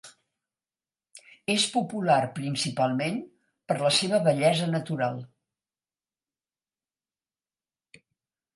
És popular principalment per la seva bellesa natural.